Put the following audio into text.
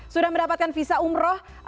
sudah mendapatkan visa umroh